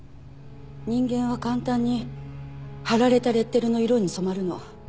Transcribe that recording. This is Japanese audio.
人間は簡単に貼られたレッテルの色に染まるの。